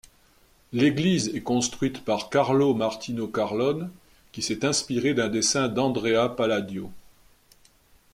L'église est construite par Carlo Martino Carlone qui s'est inspiré d'un dessin d'Andrea Palladio.